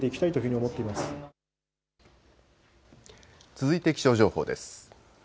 続いて気象情報です。